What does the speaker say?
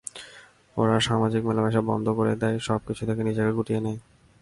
ওরা সামাজিক মেলামেশা বন্ধ করে দেয়, সবকিছু থেকে নিজেকে গুটিয়ে নেয়।